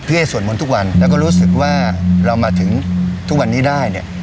ให้สวดมนต์ทุกวันแล้วก็รู้สึกว่าเรามาถึงทุกวันนี้ได้เนี่ย